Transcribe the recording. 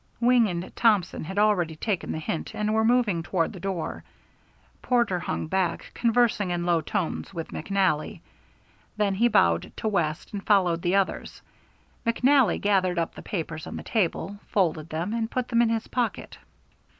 Wing and Thompson had already taken the hint, and were moving toward the door. Porter hung back, conversing in low tones with McNally. Then he bowed to West and followed the others. McNally gathered up the papers on the table, folded them, and put them in his pocket.